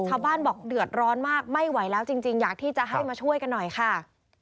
ชาวบ้านบอกเดือดร้อนมากไม่ไหวแล้วจริงอยากที่จะให้มาช่วยกันหน่อยค่ะ